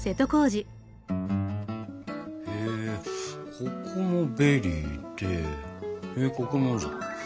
へえここもベリーでここも多いじゃん。